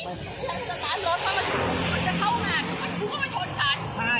สตาร์ทรถมามาถึงคุณจะเข้ามา